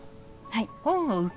はい。